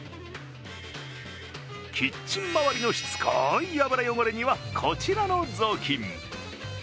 キッチン回りのしつこい油汚れにはこちらのぞうきん。